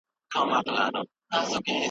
مباشرت او جماع د صدقې غوندي اجر لري.